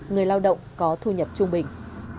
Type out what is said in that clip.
người lao động có thu nhập trung bình